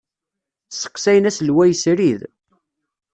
Sseqsayen aselway srid.